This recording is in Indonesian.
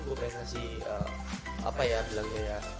gue pengen ngasih apa ya bilangnya ya